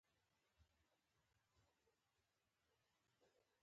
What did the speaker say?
ورته ویې ویل چې سرکوزیه ولې دې داسې بې ادبه کار وکړ؟